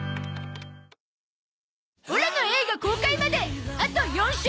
オラの映画公開まであと４週！